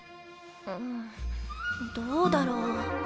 うんどうだろう？